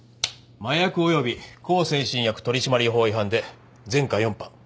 麻薬及び向精神薬取締法違反で前科４犯。